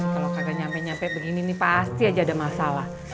kalau kagak nyampe nyampe begini nih pasti aja ada masalah